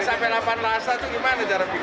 delapan rasa itu gimana cara bikinnya